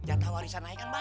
jatah warisan saya kan banyak